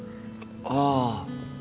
ああ